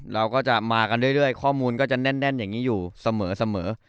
เราก็จะมากันเรื่อยข้อมูลก็จะแน่นอย่างนี้อยู่เสมอ